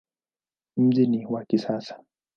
Mji ni wa kisasa.